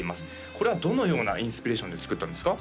これはどのようなインスピレーションで作ったんですか？